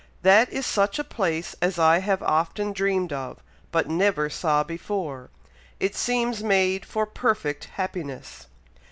"That is such a place as I have often dreamed of, but never saw before! It seems made for perfect happiness!"